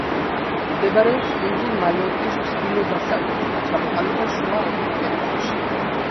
მდებარეობს კუნძულ მალიორკის ჩრდილო-დასავლეთით, ჩამოყალიბდა შუა ალპურ პერიოდში.